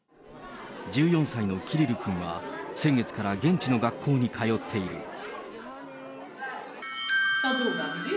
１４歳のキリル君は、先月から現地の学校に通っている。